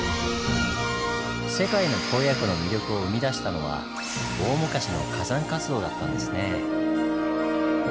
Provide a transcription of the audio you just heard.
「世界の洞爺湖」の魅力を生み出したのは大昔の火山活動だったんですねぇ。